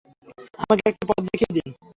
আমাকে একটা পথ দেখিয়ে দিন।